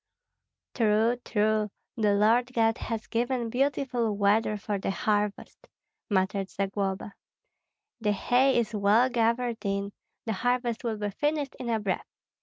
"True, true, the Lord God has given beautiful weather for the harvest," muttered Zagloba. "The hay is well gathered in, the harvest will be finished in a breath.